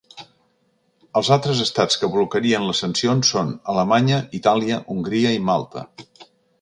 Els altres estats que blocarien les sancions són Alemanya, Itàlia, Hongria i Malta.